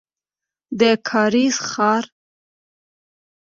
د کارېز ښار.